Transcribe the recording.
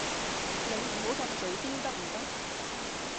你唔好咁嘴刁得唔得？